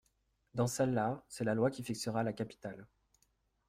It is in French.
Dans celle-là, c’est la loi qui fixera la capitale.